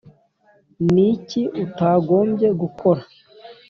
ni iki utagombye gukora?